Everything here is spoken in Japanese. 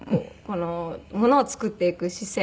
ものを作っていく姿勢